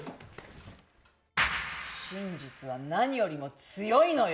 真実は何よりも強いのよ。